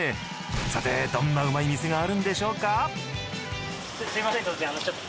さてどんなうまい店があるんでしょうか。